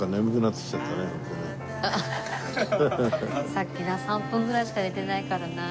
さっきな３分ぐらいしか寝てないからな。